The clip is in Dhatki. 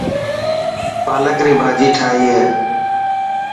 پالڪ ري ڀاڄي ٺاهي هي.